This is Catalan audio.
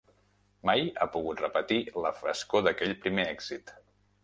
Mai ha pogut repetir la frescor d'aquell primer èxit.